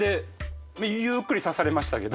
ゆっくり刺されましたけど。